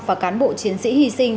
và cán bộ chiến sĩ hy sinh